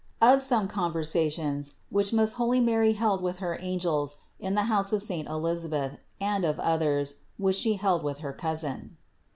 OF SOME CONVERSATIONS, WHICH MOST HOLY MARY HELD WITH HER ANGELS IN THE HOUSE OF SAINT ELISABETH, AND OF OTHERS, WHICH SHE HELD WITH HER COUSIN.